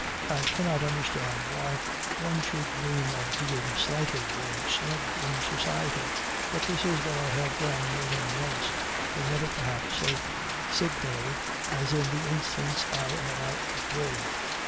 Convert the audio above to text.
I cannot understand why one should dream of being slighted or snubbed in society, but this is what I have done more than once, though never perhaps so signally as in the instance I am about to give.